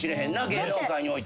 芸能界において。